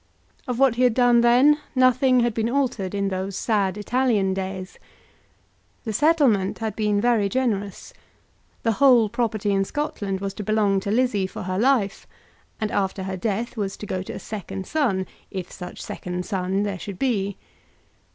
Of what he had done then, nothing had been altered in those sad Italian days. The settlement had been very generous. The whole property in Scotland was to belong to Lizzie for her life, and after her death was to go to a second son, if such second son there should be.